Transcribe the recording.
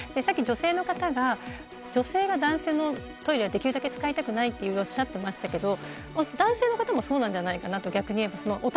さっき、女性の方が女性が男性のトイレはできるだけ使いたくないとおっしゃっていましたが男性の方もそうなんじゃないかなと。